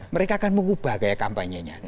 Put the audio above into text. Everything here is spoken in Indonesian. mereka akan mengubah gaya kampanyenya